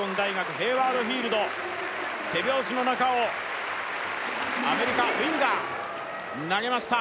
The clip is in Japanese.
ヘイワード・フィールド手拍子の中をアメリカフィンガー投げました